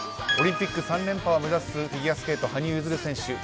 オリンピック３連覇を目指すフィギュアスケート羽生結弦選手。